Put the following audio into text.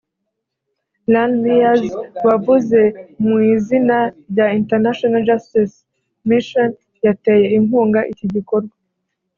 Lan Mears wavuze mu izina rya International Justice Mission yateye inkunga iki gikorwa